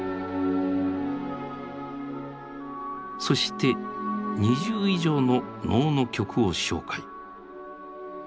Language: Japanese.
そして２０以上の能の曲を紹介。